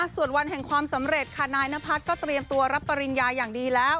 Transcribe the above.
ส่วนวันแห่งความสำเร็จค่ะนายนพัฒน์ก็เตรียมตัวรับปริญญาอย่างดีแล้ว